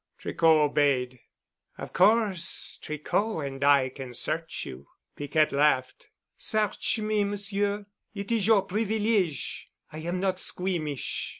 Tricot obeyed. "Of course Tricot and I can search you." Piquette laughed. "Search me, Monsieur. It is your privilege. I am not squeamish."